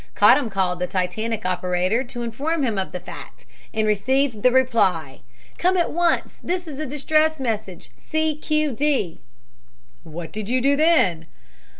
Cottam called the Titanic operator to inform him of the fact, and received the reply. 'Come at once; this is a distress message. C. Q. D.' " "What did you do then?"